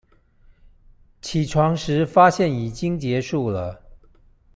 起床時發現已經結束了